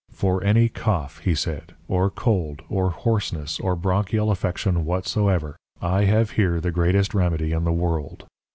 "For any cough," he said, "or cold, or hoarseness, or bronchial affection whatsoever, I have here the greatest remedy in the world.